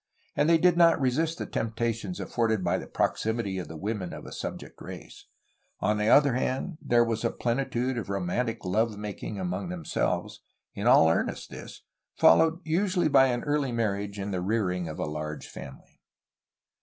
And they did not resist the temptations afforded by the proximity of the women of a sub j ect race. On the other hand, there was a plenitude of romantic love making among themselves, — in all earnest, this, — followed usually by an early marriage and the rearing of a large family.